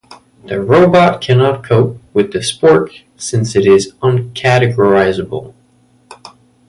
The robot cannot cope with the spork since it is uncategorizable.